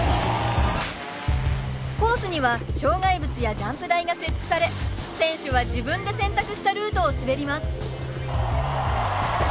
コースには障害物やジャンプ台が設置され選手は自分で選択したルートを滑ります。